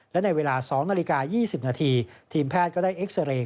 และในเวลา๒นาฬิกา๒๐นาทีทีมแพทย์ก็ได้เอ็กซาเรย์